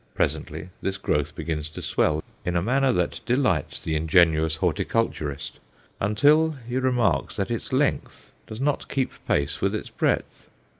Presently this growth begins to swell in a manner that delights the ingenuous horticulturist, until he remarks that its length does not keep pace with its breadth.